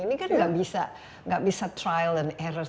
ini kan nggak bisa trial and error